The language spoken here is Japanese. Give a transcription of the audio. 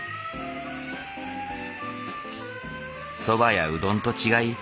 そばやうどんと違い